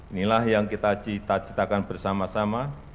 inilah yang kita cita citakan bersama sama